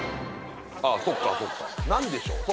ああそっかそっか何でしょう？